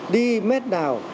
đi mét nào